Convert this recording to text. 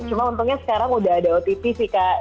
cuma untungnya sekarang udah ada otp sih kak